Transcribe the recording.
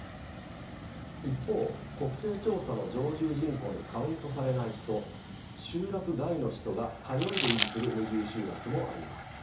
一方国勢調査の常住人口にカウントされない人集落外の人が「通い」で維持する無住集落もあります。